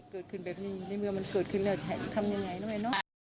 ขอโทษจริงขอโทษจริงเลย